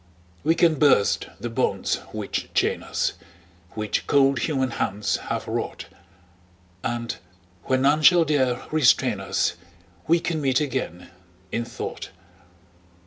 We can burst the bonds which chain us, Which cold human hands have wrought, And where none shall dare restrain us We can meet again, in thought.